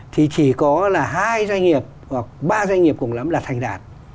thì chỉ có là hai doanh nghiệp hoặc ba doanh nghiệp cùng lắm là thành đạt